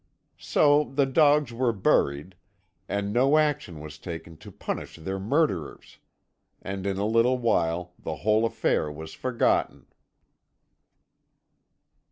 "So the dogs were buried, and no action was taken to punish their murderers; and in a little while the whole affair was forgotten."